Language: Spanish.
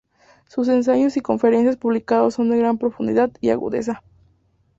Sus ensayos y conferencias publicados son de gran profundidad y agudeza.